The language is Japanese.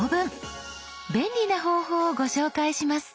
便利な方法をご紹介します。